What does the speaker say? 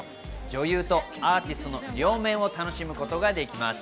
女優とアーティストの両面を楽しむことができます。